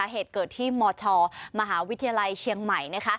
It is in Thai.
เหตุเกิดที่มชมหาวิทยาลัยเชียงใหม่